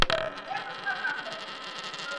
যার প্রযোজক ছিলেন আলাউদ্দিন আহমেদ।